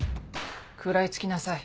食らい付きなさい。